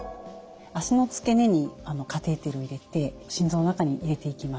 脚の付け根にカテーテルを入れて心臓の中に入れていきます。